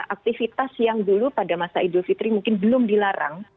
aktivitas yang dulu pada masa idul fitri mungkin belum dilarang